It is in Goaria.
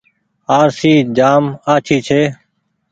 آرسي جآم آڇي ڇي۔